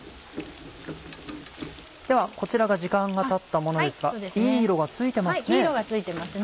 ではこちらが時間がたったものですがいい色がついてますね。